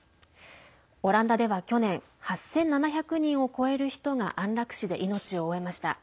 オランダでは去年８７００人を超える人が安楽死で命を終えました。